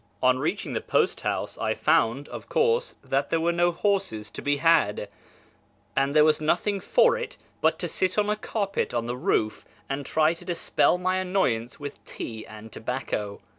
On reaching the post house I found, of course, that there were no horses to be had ; and there was nothing for it but to sit on a carpet on the roof and try to dispel my annoyance with tea and tobacco.